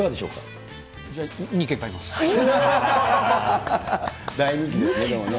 じゃあ、大人気ですね、でもね。